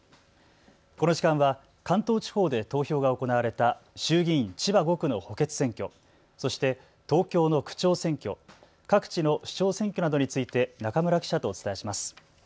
この時間は関東地方で投票が行われた、衆議院千葉５区の補欠選挙、そして東京の区長選挙、各地の市長選挙などについて、中村記者とお伝えします。